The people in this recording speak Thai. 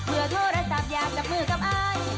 เผื่อโทรศัพท์อยากจับมือกับอ้าน